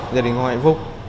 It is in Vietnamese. gia đình có hạnh phúc